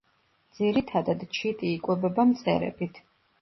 ძირითადად ჩიტი იკვებება მწერებით.